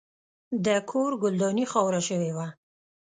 د کور ګلداني خاوره شوې وه.